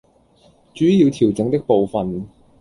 主要調整的部分